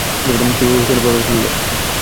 কিভাবে হোস্টেলে প্রবেশ করল?